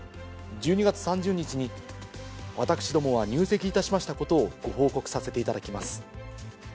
１２月３０日に私どもは入籍いたしましたことをご報告させていただきます。